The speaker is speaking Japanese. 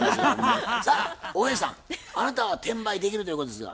さあ大江さんあなたは転売できるということですが？